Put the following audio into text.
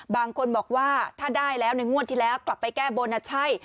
บางคนบอกว่าถ้าได้แล้วในงวดที่แล้วกลับไปแก้บนใช่